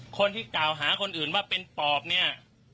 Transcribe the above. คนที่กล่าวหาคนอื่นว่าเป็นปอบเนี่ย